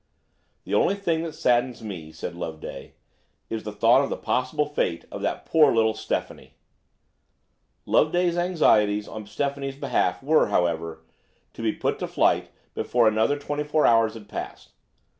"The only thing that saddens me," said Loveday, "is the thought of the possible fate of that poor little Stephanie." Loveday's anxieties on Stephanie's behalf were, however, to be put to flight before another twenty four hours had passed.